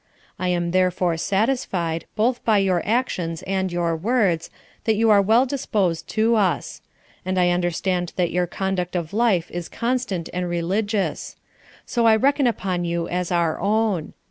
I am therefore satisfied, both by your actions and your words, that you are well disposed to us; and I understand that your conduct of life is constant and religious: so I reckon upon you as our own.